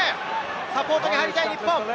サポートに入りたい日本。